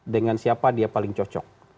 dengan siapa dia paling cocok